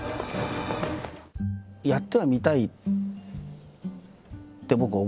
やってはみたいって僕思ってて。